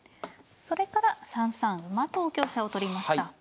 それから３三馬と香車を取りました。